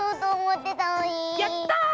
やった！